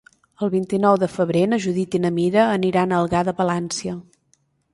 El vint-i-nou de febrer na Judit i na Mira aniran a Algar de Palància.